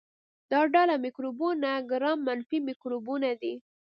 دا ډله مکروبونه ګرام منفي مکروبونه دي.